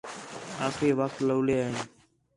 آخری وخت لَولے این